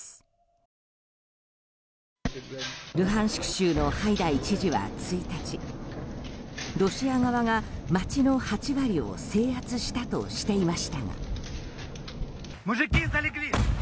州のハイダイ知事は１日ロシア側が街の８割を制圧したとしていましたが。